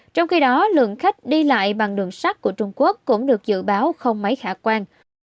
trong khi đó lượng khách đi lại bằng đường sắt của trung quốc cũng được dự báo không mấy khả quan